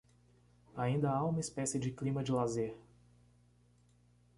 Ainda há uma espécie de clima de lazer